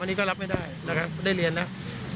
อันนี้ก็รับไม่ได้ได้เรียนแล้ว